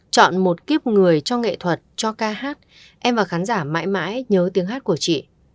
chọn một kiếp người cho nghệ thuật cho ca hát em và khán giả mãi mãi nhớ tiếng hát của chị